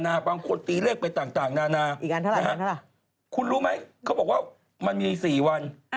บางคนตีเลขไปต่างนานาคุณรู้ไหมเขาบอกว่ามันมี๔วัน